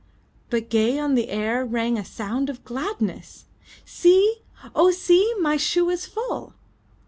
But gay on the air, rang a sound of gladness. "See! Oh, see! My shoe is full!"